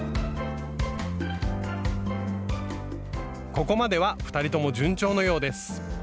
ここまでは２人とも順調のようです。